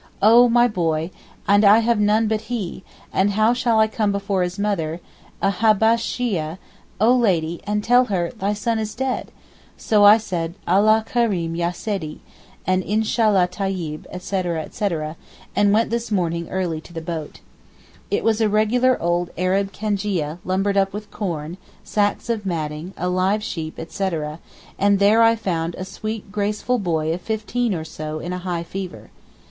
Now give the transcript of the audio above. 'Oh my boy, and I have none but he, and how shall I come before his mother, a Habbesheeyeh, oh Lady, and tell her "thy son is dead"?' So I said, 'Allah kereem ya Seedee, and Inshallah tayib,' etc., etc., and went this morning early to the boat. It was a regular old Arab cangia lumbered up with corn, sacks of matting, a live sheep, etc., and there I found a sweet graceful boy of fifteen or so in a high fever.